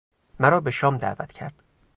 مرا به شام دعوت کرد.